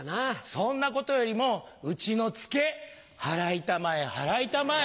そんなことよりもうちのツケハライたまえハライたまえ。